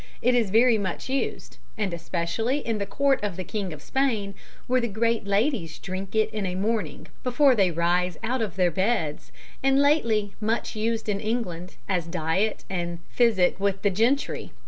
it is very much used, and especially in the Court of the King of Spain; where the great ladies drink it in a morning before they rise out of their beds, and lately much used in England, as Diet and Phisick with the Gentry.